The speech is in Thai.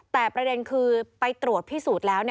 แต่ประเด็นคือไปตรวจพิสูจน์แล้ว